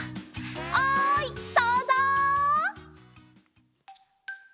おいそうぞう！